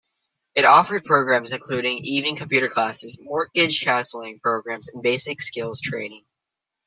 It offered programs including evening computer classes, mortgage counseling programs and basic skills training.